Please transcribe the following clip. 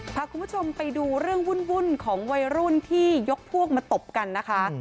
พาคุณผู้ชมไปดูเรื่องวุ่นของวัยรุ่นที่ยกพวกมาตบกันนะคะ